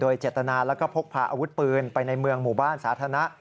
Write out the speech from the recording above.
โดยเจตนาแล้วก็พกพาอาวุธปืนไปในเมืองหมู่บ้านสาธารณะ